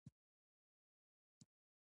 انجینر له نظریاتو څخه لومړني ډیزاین ته ځي.